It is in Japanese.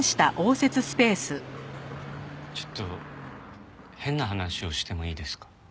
ちょっと変な話をしてもいいですか？